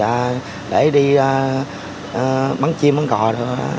dạ để đi bắn chim bắn cò thôi